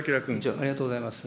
ありがとうございます。